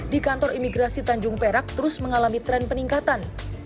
di kantor imigrasi tanjung perak terus mengalami tren peningkatan